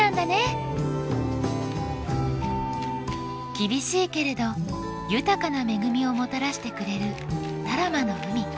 厳しいけれど豊かな恵みをもたらしてくれる多良間の海。